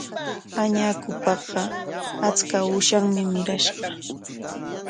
Añakupaqa achka uushanmi mirashqa.